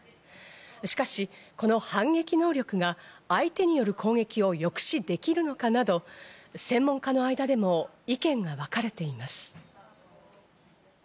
しかし、この反撃能力が相手による攻撃を抑止できるのかなど専門家の間でも意見がわかれています。